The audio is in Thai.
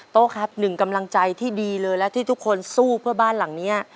โต๊ะครับหนึ่งกำลังใจที่ดีเลยและที่ทุกคนสู้เพื่อบ้านหลังนี้